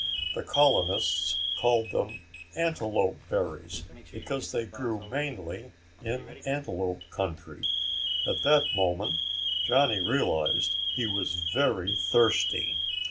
The colonists called them antelope berries because they grew mainly in antelope country. At that moment Johnny realized he was very thirsty.